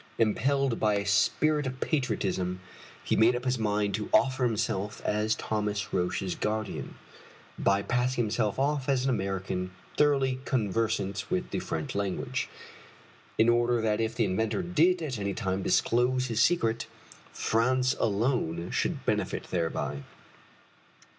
Impelled by a spirit of patriotism, he made up his mind to offer himself as Thomas Roch's guardian, by passing himself off as an American thoroughly conversant with the French language, in order that if the inventor did at any time disclose his secret, France alone should benefit thereby.